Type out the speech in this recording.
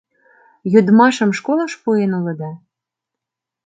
— Йодмашым школыш пуэн улыда?